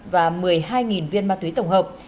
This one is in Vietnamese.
và một mươi hai viên ma túy tổng hợp